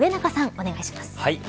お願いします。